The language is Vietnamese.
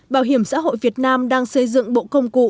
bảo hiểm xã hội việt nam đang xây dựng bộ công cụ